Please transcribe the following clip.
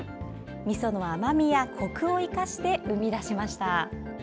みその甘みやコクを生かして生み出しました。